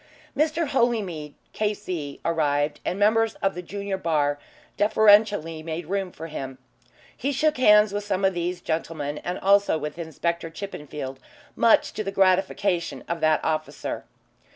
Mr. Holymead, K.C., arrived, and members of the junior bar deferentially made room for him. He shook hands with some of these gentlemen and also with Inspector Chippenfield, much to the gratification of that officer.